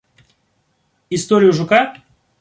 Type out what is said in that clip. Историю жука?